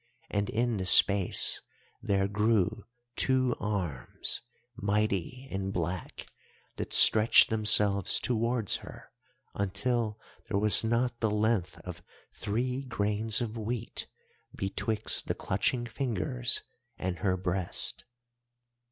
And in the space there grew two arms, mighty and black, that stretched themselves towards her, until there was not the length of three grains of wheat betwixt the clutching fingers and her breast.